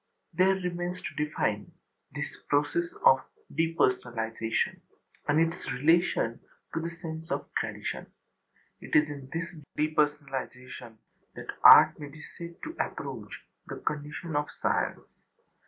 There remains to define this process of depersonalization and its relation to the sense of tradition. It is in this depersonalization that art may be said to approach the condition of science.